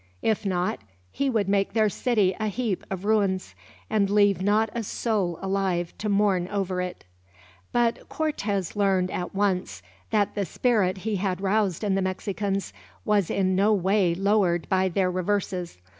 If not, he would make their city a heap of ruins, and leave not a soul alive to mourn over it. But Cortez learned, at once, that the spirit he had roused in the Mexicans was in no way lowered by their reverses.